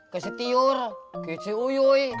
ke si tior ke si uyoy